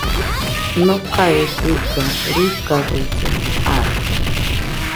Nokae dɨga ruikafellemo jai